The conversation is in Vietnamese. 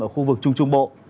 ở khu vực trung trung bộ